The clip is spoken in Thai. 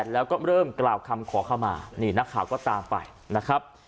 แล้วก็เริ่มกล่าวคำขอเข้ามานี่นักข่าวก็ตามไปนะครับ